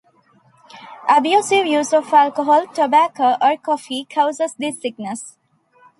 Abusive use of alcohol, tobacco or coffee, causes this sickness.